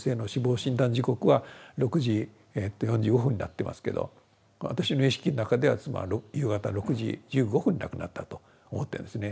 時刻は６時４５分になってますけど私の意識の中では妻は夕方６時１５分に亡くなったと思ってるんですね。